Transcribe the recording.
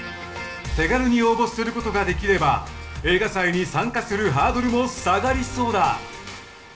手軽に応募することができれば映画祭に参加するハードルも下がりそうだ。